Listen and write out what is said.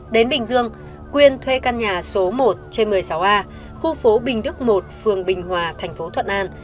đến bình dương quyên thuê căn nhà số một trên một mươi sáu a khu phố bình đức một phường bình hòa thành phố thuận an